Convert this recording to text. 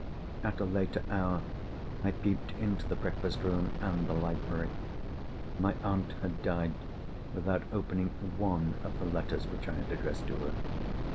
At a later hour I peeped into the breakfast room, and the library. My aunt had died without opening one of the letters which I had addressed to her.